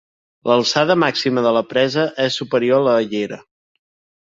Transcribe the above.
L'alçada màxima de la presa és superior a la llera.